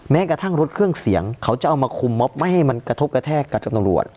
แม้กระทั่งรถเครื่องเสียงเขาจะเอามาคุมมอบไม่ให้มันกระทบกระแทกกับตำรวจ